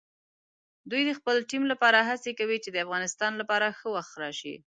دوی د خپل ټیم لپاره هڅې کوي چې د افغانستان لپاره ښه وخت راشي.